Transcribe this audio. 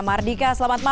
mahardika selamat datang